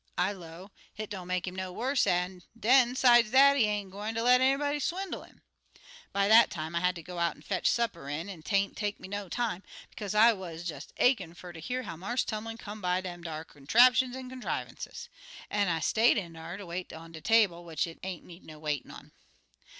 I low, 'Hit don't make 'im no wuss; an' den, 'sides dat, he ain't gwine ter let nobody swindle 'im.' "By dat time, I hatter go out an' fetch supper in, an' 'tain't take me no time, bekaze I wuz des' achin' fer ter hear how Marse Tumlin come by dem ar contraptions an' contrivances. An' I stayed in dar ter wait on de table, which it ain't need no waitin' on.